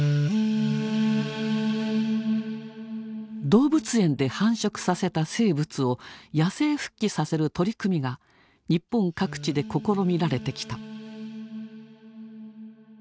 動物園で繁殖させた生物を野生復帰させる取り組みが日本各地で試みられてきた。